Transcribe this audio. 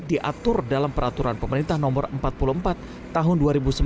diatur dalam peraturan pemerintah nomor empat puluh empat tahun dua ribu sembilan